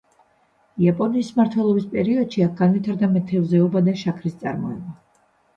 იაპონიის მმართველობის პერიოდში აქ განვითარდა მეთევზეობა და შაქრის წარმოება.